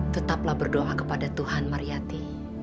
tetaplah berdoa kepada tuhan mariyati